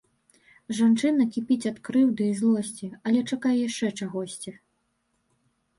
Жанчына кіпіць ад крыўды і злосці, але чакае яшчэ чагосьці.